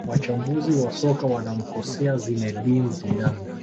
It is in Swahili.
Wachambuzi wa soka wanamkosea Zinedine Zidane